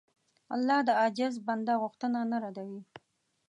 الله د عاجز بنده غوښتنه نه ردوي.